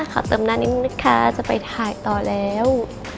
เติมหน้านิดนึงนะคะจะไปถ่ายต่อแล้ว